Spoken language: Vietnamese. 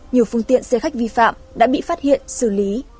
nhiều phương tiện xe khách vi phạm đã bị phát hiện xử lý